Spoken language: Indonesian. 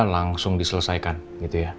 langsung diselesaikan gitu ya